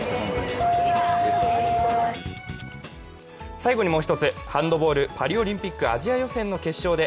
最後にもう一つ、ハンドボールパリオリンピックアジア予選の決勝で